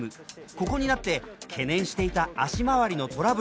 ここになって懸念していた足回りのトラブルが発生。